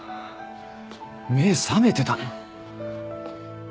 目覚めてたの？